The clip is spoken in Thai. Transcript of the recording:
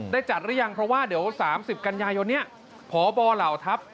ได้จัดหรือยังเพราะว่าเดี๋ยว๓๐กันยายนนี้พบเหล่าทัพ